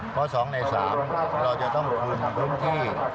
เพราะ๒ใน๓เราจะต้องคืนพื้นที่